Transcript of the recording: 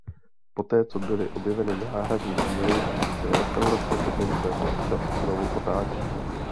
Poté co byly objeveny náhradní díly se restaurace dokonce občas znovu otáčí.